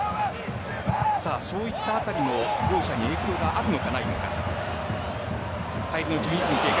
そういったあたりも両者に影響があるのかないのか。